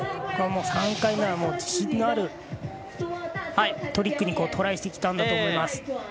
３回目は自信のあるトリックにトライしてきたんだと思います。